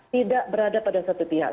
tidak berada pada satu pihak